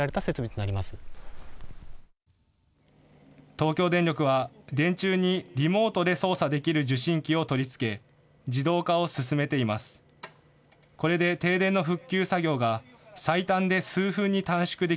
東京電力は電柱にリモートで操作できる受信機を取り付け自動化を進めています。